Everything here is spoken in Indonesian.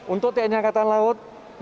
untuk tni angkatan laut